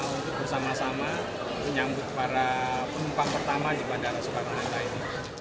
untuk bersama sama menyambut para penumpang pertama di bandara soekarno hatta ini